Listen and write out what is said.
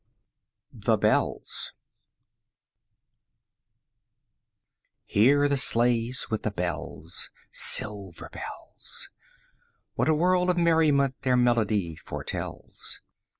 THE BELLS I Hear the sledges with the bells, Silver bells! What a world of merriment their melody foretells!